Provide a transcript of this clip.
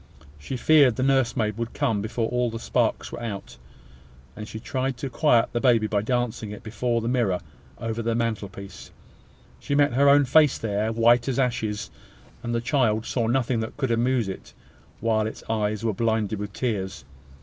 She feared the nursemaid would come before all the sparks were out; and she tried to quiet the baby by dancing it before the mirror over the mantelpiece. She met her own face there, white as ashes; and the child saw nothing that could amuse it, while its eyes were blinded with tears.